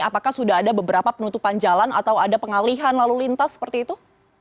apakah sudah ada beberapa penutupan jalan atau ada pengalihan lalu lintas seperti itu